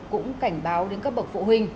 cũng cảnh báo đến các bậc phụ huynh